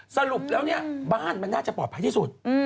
สรุปแล้วเนี่ยบ้านมันน่าจะปลอดภัยที่สุด